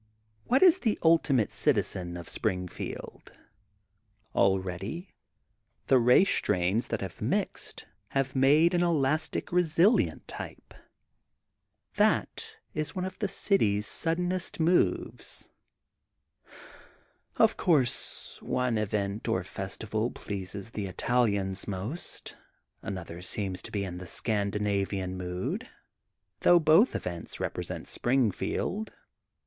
"What is the ultimate citizen of Spring field? Already the race strains that have mixed, have made an elastic, resilient type, 280 THE GOLDEN BOOK OF SPRINGFIELD that is one with the city's snddenest moves. ''Of coarse, one event or festival pleases the Italians most, another seems to be in the Scandanavian mood, though both events rep resent Springfield.